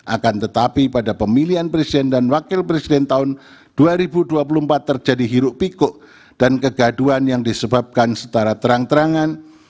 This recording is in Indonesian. akan tetapi pada pemilihan presiden dan wakil presiden tahun dua ribu dua puluh empat terjadi hiruk pikuk dan kegaduan yang disebabkan secara terang terangan